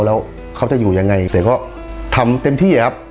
แล้วเขาจะอยู่ยังไงแต่ก็ทำเต็มที่ครับ